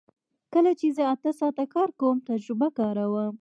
کله چې زه اته ساعته کار کوم تجربه کاروم